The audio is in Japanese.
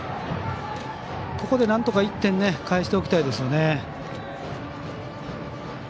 ここでなんとか１点返しておきたいですね。